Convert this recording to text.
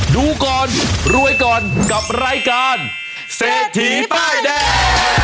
ดูก่อนรวยก่อนกับรายการเศรษฐีป้ายแดง